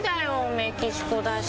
メキシコだし。